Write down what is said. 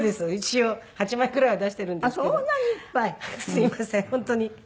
すみません本当に。